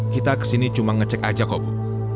kita ke sini cuma ngecek aja kok bu